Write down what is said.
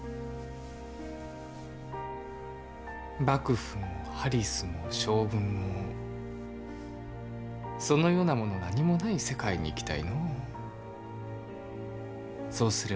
幕府もハリスも将軍もそのようなもの何もない世界に行きたいのう。